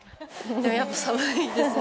でもやっぱり寒いですね